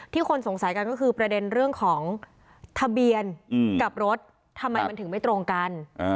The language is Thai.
คนสงสัยกันก็คือประเด็นเรื่องของทะเบียนกับรถทำไมมันถึงไม่ตรงกัน